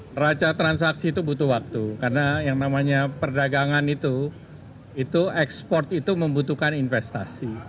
neraca transaksi itu butuh waktu karena yang namanya perdagangan itu itu ekspor itu membutuhkan investasi